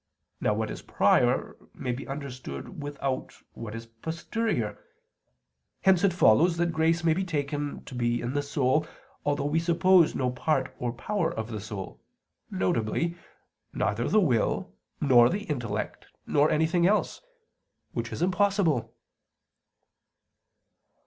Now what is prior may be understood without what is posterior. Hence it follows that grace may be taken to be in the soul, although we suppose no part or power of the soul viz. neither the will, nor the intellect, nor anything else; which is impossible.